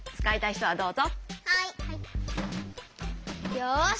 よし！